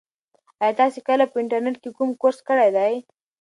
ایا تاسي کله په انټرنيټ کې کوم کورس کړی دی؟